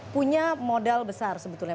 punya modal besar sebetulnya